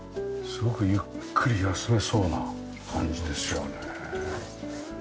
すごくゆっくり休めそうな感じですよね。